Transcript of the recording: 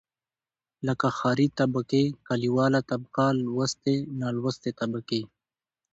لکه ښاري طبقې، کليواله طبقه لوستې، نالوستې طبقې.